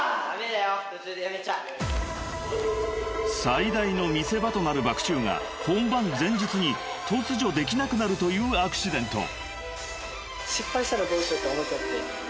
［最大の見せ場となるバク宙が本番前日に突如できなくなるというアクシデント］